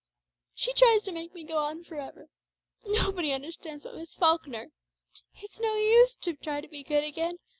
She tries to make me go on for ever. Nobody understands but Miss Falkner. It's no use to try to be good again.